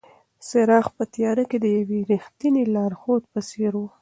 څراغ په تیاره کې د یوې رښتینې لارښود په څېر و.